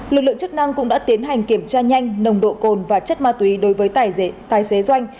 lực lượng chức năng cũng đã tiến hành kiểm tra nhanh nồng độ cồn và chất ma túy đối với tài xế doanh